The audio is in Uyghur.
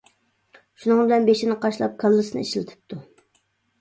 شۇنىڭ بىلەن بېشىنى قاشلاپ كاللىسىنى ئىشلىتىپتۇ.